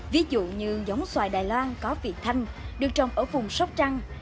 ví dụ như giống xoài đài loan có vị thanh được trồng ở vùng sóc trăng